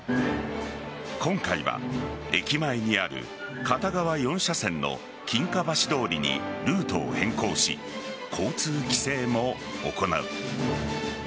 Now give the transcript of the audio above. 今回は駅前にある片側４車線の金華橋通りにルートを変更し交通規制も行う。